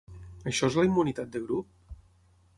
Això és la immunitat de grup?